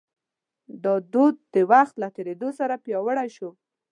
دا دود د وخت له تېرېدو سره پیاوړی شو.